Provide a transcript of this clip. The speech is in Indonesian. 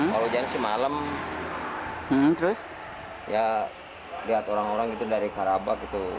kalau hujan sih malam terus ya lihat orang orang gitu dari karabak gitu